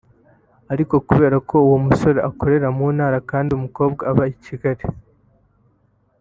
Ariko kubera ko uwo musore akorera mu ntara kandi umukobwa aba i Kigali